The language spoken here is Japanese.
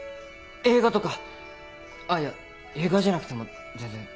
映画とかいや映画じゃなくても全然。